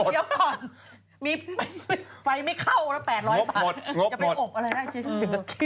ได้แพทย์